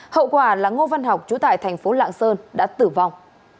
hậu quả là ngô văn học trú tại thành phố lạng sơn đã tử vọng